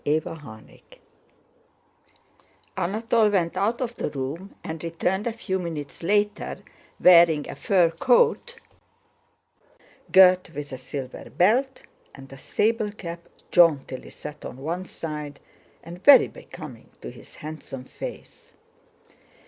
CHAPTER XVII Anatole went out of the room and returned a few minutes later wearing a fur coat girt with a silver belt, and a sable cap jauntily set on one side and very becoming to his handsome face.